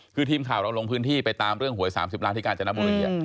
คือทีมข่าวเราลงพื้นที่ไปตามเรื่องหวย๓๐ล้านที่กาญจนบุรี